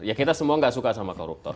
ya kita semua gak suka sama koruptor